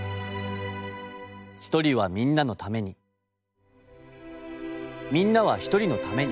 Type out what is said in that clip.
「一人はみんなのためにみんなは一人のために」。